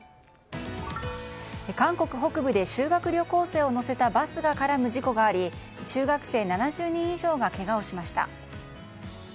韓国北部で修学旅行生を乗せたバスが絡む事故があり中学生７０人以上がけがをしました。